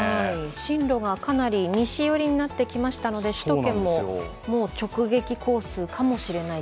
進路がかなり西寄りになってきましたので、首都圏も直撃コースかもしれないと。